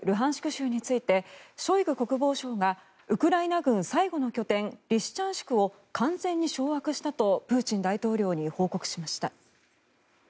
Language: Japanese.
州についてショイグ国防相がウクライナ軍最後の拠点リシチャンシクを完全に掌握したとプーチン大統領に報告しました。